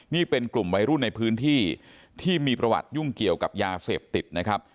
นี่เป็นกลุ่มวัยรุ่นในพื้นที่ที่มีประวัติยุ่งเกี่ยวกับยาเสพติดนะครับ